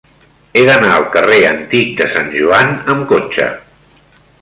He d'anar al carrer Antic de Sant Joan amb cotxe.